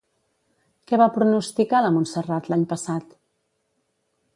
Què va pronosticar la Montserrat l'any passat?